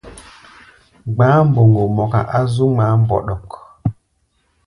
Gba̧á̧ mboŋgo mɔka á zú ŋmaá mbɔɗɔk.